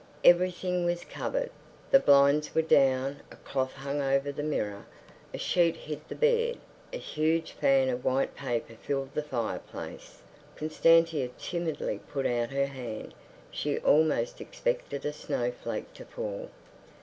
Everything was covered. The blinds were down, a cloth hung over the mirror, a sheet hid the bed; a huge fan of white paper filled the fireplace. Constantia timidly put out her hand; she almost expected a snowflake to fall.